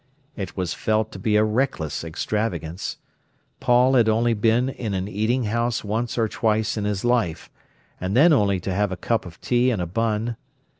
It was felt to be a reckless extravagance. Paul had only been in an eating house once or twice in his life, and then only to have a cup of tea and a bun.